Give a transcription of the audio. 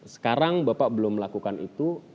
sekarang bapak belum melakukan itu